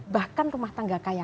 bahkan rumah tangga kaya